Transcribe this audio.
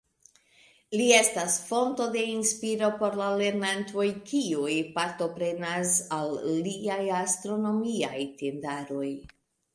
Li estas fonto de inspiro por la lernantoj, kiuj partoprenas al liaj Astronomiaj Tendaroj.